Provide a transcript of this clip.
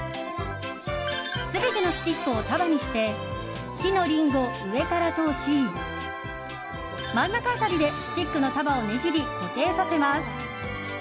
全てのスティックを束にして木のリングを上から通し真ん中辺りでスティックの束をねじり固定させます。